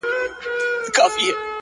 هغې ويل ه نور دي هيڅ په کار نه لرم’